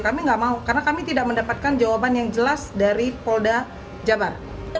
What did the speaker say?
kami tidak mau karena kami tidak mendapatkan jawaban yang jelas dari polda jabar